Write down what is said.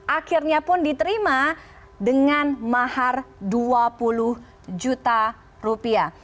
akhirnya pun diterima dengan mahar dua puluh juta rupiah